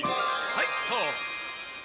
はいっと！